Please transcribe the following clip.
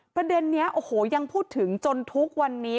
ประเด็นนี้โอ้โหยังพูดถึงจนทุกวันนี้